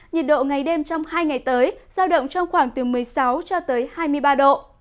nhiệt độ ngày đêm trong hai ngày tới giao động trong khoảng từ một mươi sáu cho tới hai mươi ba độ